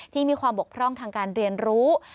ที่มีความบกพร่องทางการเรียนรู้